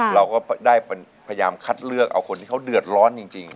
เราก็ได้พยายามคัดเลือกเอาคนที่เขาเดือดร้อนจริง